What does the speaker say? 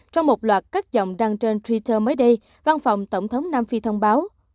trong một loạt các dòng đăng trên twitter mới đây văn phòng tổng thống nam phi thông báo